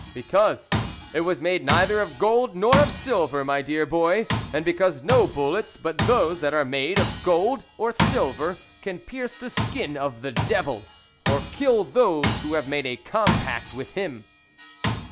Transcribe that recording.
" Because it was made neither of gold nor of silver, my dear boy ; and because no bullets but those that are made of gold or silver can pierce the skin of the devil, or kill those who have made a compact with him."